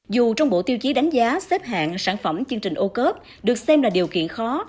dù trong bộ tiêu chí đánh giá xếp hạng sản phẩm chương trình ô cớp được xem là điều kiện khó